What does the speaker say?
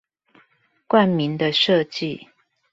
冠名的設計